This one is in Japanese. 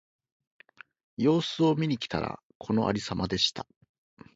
様子を見に来たら、このありさまでした。